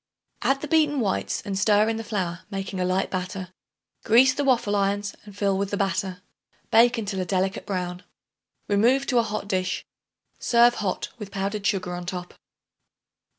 Add the beaten whites and stir in the flour, making a light batter. Grease the waffle irons and fill with the batter. Bake until a delicate brown. Remove to a hot dish. Serve hot with powdered sugar on top.